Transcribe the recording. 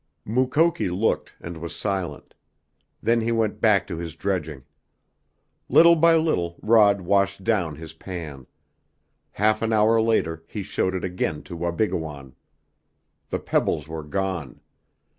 Mukoki looked, and was silent. Then he went back to his dredging. Little by little Rod washed down his pan. Half an hour later he showed it again to Wabigoon. The pebbles were gone.